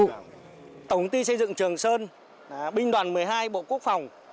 tổng công ty xây dựng trường sơn binh đoàn một mươi hai bộ quốc phòng